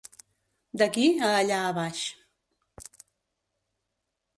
D'aquí a allà a baix.